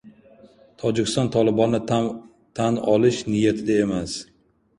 Tojikiston Tolibonni tan olish niyatida emas